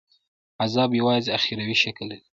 عذاب یوازي اُخروي شکل لري.